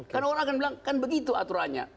karena orang akan bilang kan begitu aturannya